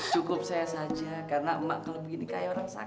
cukup saya saja karena emak kalau begini kayak orang sakit